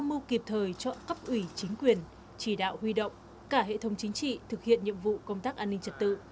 đồng thời cho cấp ủy chính quyền chỉ đạo huy động cả hệ thống chính trị thực hiện nhiệm vụ công tác an ninh trật tự